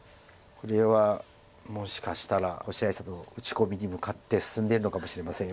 これはもしかしたら星合さんの打ち込みに向かって進んでるのかもしれません。